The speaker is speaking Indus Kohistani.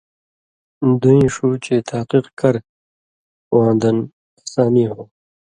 دُوئیں ݜُو چے تحقیق کَرہۡ واں دَن ہسانی ہو